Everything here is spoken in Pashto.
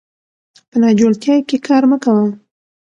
په ناجوړتيا کې کار مه کوه